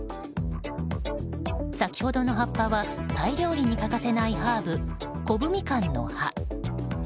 先ほどの葉っぱはタイ料理に欠かせないハーブコブミカンの葉。